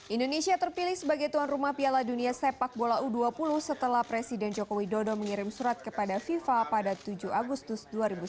indonesia terpilih sebagai tuan rumah piala dunia sepak bola u dua puluh setelah presiden joko widodo mengirim surat kepada fifa pada tujuh agustus dua ribu sembilan belas